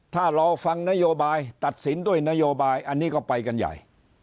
ถ้ารอฟังนโยบายตัดสินด้วยนโยบายอันนี้ก็ไปกันใหญ่